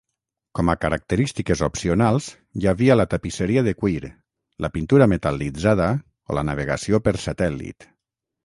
Com a característiques opcionals hi havia la tapisseria de cuir, la pintura metal·litzada o la navegació per satèl·lit.